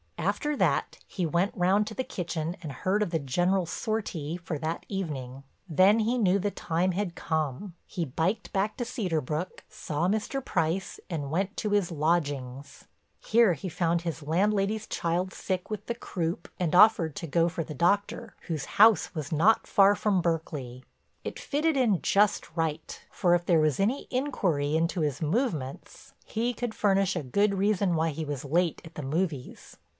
After that he went round to the kitchen and heard of the general sortie for that evening. Then he knew the time had come. He biked back to Cedar Brook, saw Mr. Price, and went to his lodgings. Here he found his landlady's child sick with croup and offered to go for the doctor, whose house was not far from Berkeley. It fitted in just right, for if there was any inquiry into his movements he could furnish a good reason why he was late at the movies.